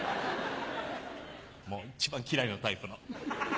もう一番嫌いなタイプの。